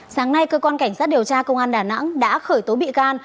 sáng nay cơ quan cảnh sát điều tra công an đà nẵng đã khởi tố bị can